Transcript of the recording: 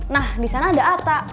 nah disana ada atta